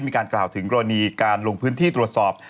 มีการกล่าวถึงกรณีการลงพื้นที่ตรวจสอบ